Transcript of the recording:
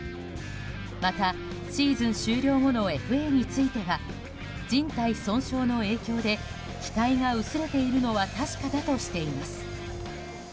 また、シーズン終了後のＦＡについてはじん帯損傷の影響で期待が薄れているのは確かだとしています。